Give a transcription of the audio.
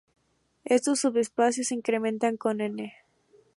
Estos subespacios incrementan con "n".